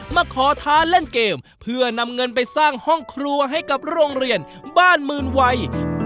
มาขอท้าเล่นเกมเพื่อนำเงินไปสร้างห้องครัวให้กับโรงเรียนบ้านหมื่นวัย